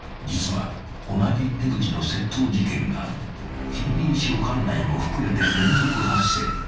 ［実は同じ手口の窃盗事件が近隣署管内も含めて連続発生］